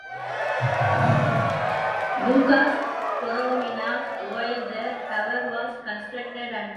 Lucas Corominas while the tower was constructed under Fr.